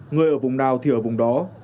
người ở vùng nào thì ở vùng đó